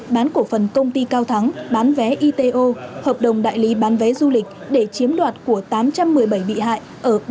bán cổ phần công ty cao thắng bán vé ito hợp đồng đại lý bán vé du lịch để chiếm đoạt của tám trăm một mươi bảy bị hại